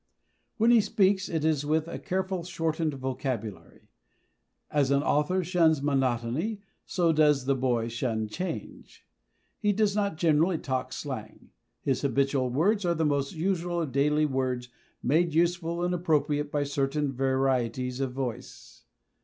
When he speaks it is with a carefully shortened vocabulary. As an author shuns monotony, so does the boy shun change. He does not generally talk slang; his habitual words are the most usual of daily words made useful and appropriate by certain varieties of voice.